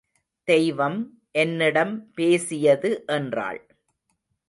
தெய்வம் என்னிடம் பேசியது என்றாள்.